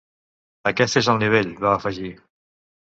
Aquest és el nivell, va afegir.